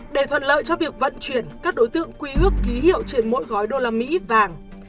để thuận lợi cho việc vận chuyển các đối tượng quy ước ký hiệu trên mỗi gói đô la mỹ vàng